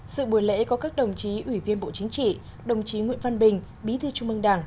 sự buổi lễ có các đồng chí ủy viên bộ chính trị đồng chí nguyễn văn bình bí thư trung mương đảng